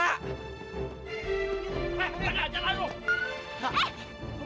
nah tuh gitu anak tuh